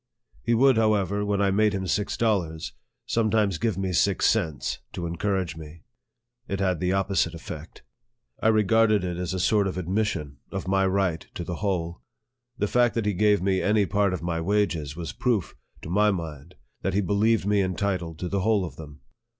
He would, however, when I made him six dollars, sometimes give me six cents, to encourage me. It had the opposite effect. I regarded it as a sort of admission of my right to the whole. The fact that he gave me any part of my wages was proof, to my mind, that he believed me entitled to the whole of them.